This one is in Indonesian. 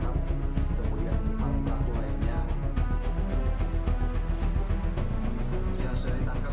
untuk makarai yang berulang